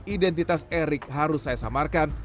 identitas erick harus saya samarkan